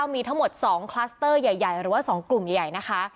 มีทั้งหมด๒คลัสเตอร์ใหญ่หรือว่า๒กลุ่มใหญ่นะคะ